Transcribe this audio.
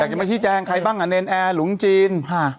อยากมาชี้แจงใครบ้างแนนแอร์หลุงจีน